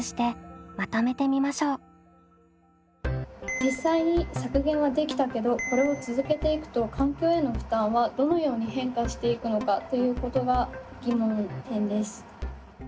実際に削減はできたけどこれを続けていくと環境への負担はどのように変化していくのかということが疑問点です。